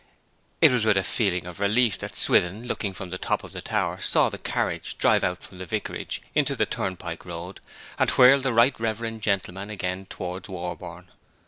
It was with a feeling of relief that Swithin, looking from the top of the tower, saw the carriage drive out from the vicarage into the turnpike road, and whirl the right reverend gentleman again towards Warborne.